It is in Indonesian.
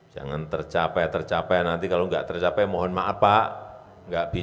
jangan tercapai tercapai nanti kalau nggak tercapai mohon maaf pak nggak bisa